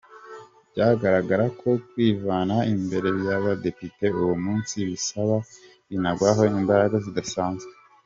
Byagaragaraga ko kwivana imbere y’abadepite uwo munsi bisaba Binagwaho imbaraga zidasanzwe.